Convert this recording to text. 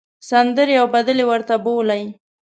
سندرې او بدلې ورته بولۍ.